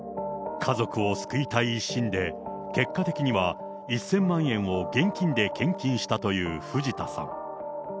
家族を救いたい一心で、結果的には１０００万円を現金で献金したという藤田さん。